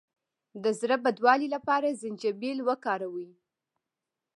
د زړه بدوالي لپاره زنجبیل وکاروئ